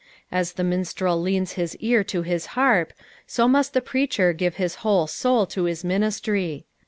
As the minstrel leans his ear to his harp, so must the preacher give his whole soul to his ministry.